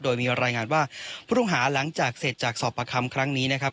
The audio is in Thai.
โดยมีรายงานว่าผู้ต้องหาหลังจากเสร็จจากสอบประคำครั้งนี้นะครับ